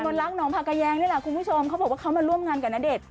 มนลักน้องพักยังเนี่ยนะคุณผู้ชมเขาบอกว่าเขามาร่วมงานกับณเดชน์